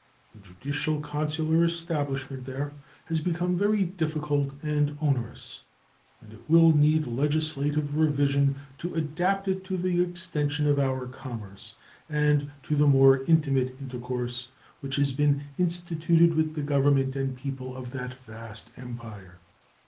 The judicial consular establishment there has become very difficult and onerous, and it will need legislative revision to adapt it to the extension of our commerce and to the more intimate intercourse which has been instituted with the Government and people of that vast Empire.